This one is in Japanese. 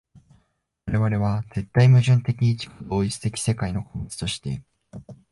我々は絶対矛盾的自己同一的世界の個物として、